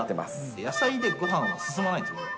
野菜でごはんは進まないんです。